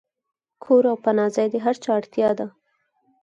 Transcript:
کور او پناه ځای د هر چا اړتیا ده.